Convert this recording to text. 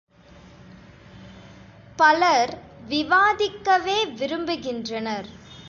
பலர் விவாதிக்கவே விரும்புகின்றனர்.